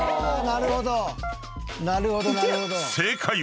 なるほどなるほど。